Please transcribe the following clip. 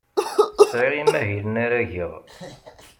Sɛiɣ imahilen ara geɣ.